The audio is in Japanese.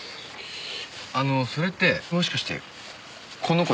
あのそれってもしかしてこの子ですか？